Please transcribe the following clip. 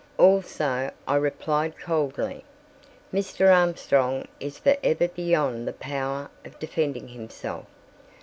"Also," I replied coldly, "Mr. Armstrong is for ever beyond the power of defending himself.